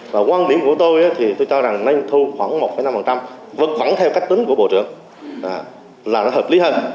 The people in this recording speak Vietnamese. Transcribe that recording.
và quan điểm của tôi thì tôi cho rằng nâng thư khoảng một năm vật vẳng theo cách tính của bộ trưởng là nó hợp lý hơn